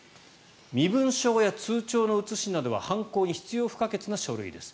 身分証や通帳の写しなどは犯行に必要不可欠な書類です。